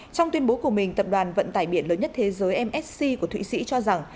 trong tuyên bố của mình tập đoàn vận tải biển lớn nhất thế giới msc của thụy sĩ cho rằng